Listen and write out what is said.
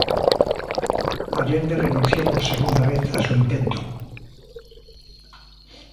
Allende renunció por segunda vez a su intento.